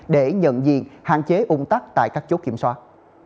để nhận diện hạn chế ung tắc tại các chốt kiểm soát